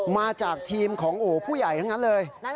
มาจากทีมของอู่ผู้ใหญ่ทั้งนั้นเลย